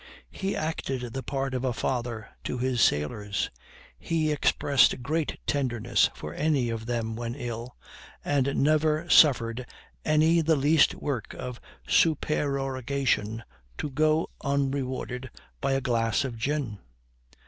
He acted the part of a father to his sailors; he expressed great tenderness for any of them when ill, and never suffered any the least work of supererogation to go unrewarded by a glass of gin.